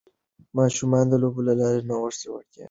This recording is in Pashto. ماشومان د لوبو له لارې د نوښت وړتیا وده کوي.